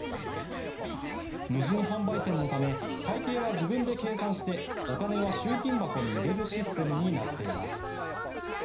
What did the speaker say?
無人販売店のため会計は自分で計算してお金は集金箱に入れるシステムになっています。